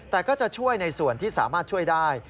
แต่ก็จะช่วยในส่วนที่สามารถช่วยได้